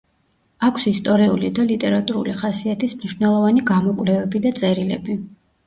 აქვს ისტორიული და ლიტერატურული ხასიათის მნიშვნელოვანი გამოკვლევები და წერილები.